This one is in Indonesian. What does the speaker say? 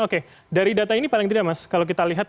oke dari data ini paling tidak mas kalau kita lihat